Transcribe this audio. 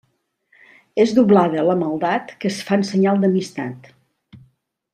És doblada la maldat que es fa en senyal d'amistat.